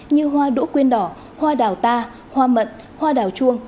như hoa đỗ quyên đỏ hoa đào ta hoa mận hoa đào chuông